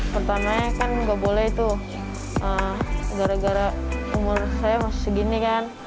pertamanya kan nggak boleh tuh gara gara umur saya masih segini kan